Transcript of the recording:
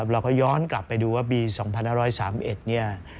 เราก็ย้อนกลับไปดูว่าปี๒๕๓๑เนี่ย